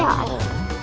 kemana ya ada